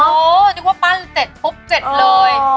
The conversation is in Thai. โอ้นึกว่าปั้นเสร็จพบเสร็จเลย